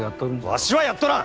わしはやっとらん！